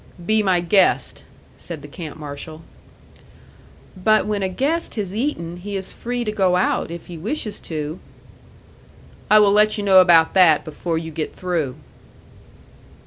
"Be my guest," said the camp marshal. "But when a guest has eaten, he is free to go out, if he wishes to!" "I will let you know about that before you get through."